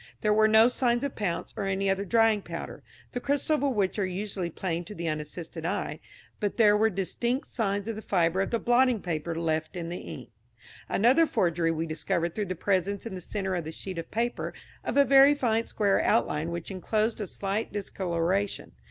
There were no signs of pounce or any other drying powder, the crystals of which are usually plain to the unassisted eye, but there were distinct signs of the fibre of the blotting paper left in the ink. Another forgery we discovered through the presence in the centre of the sheet of paper of a very faint square outline which enclosed a slight discolouration.